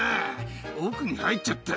奥に入っちゃった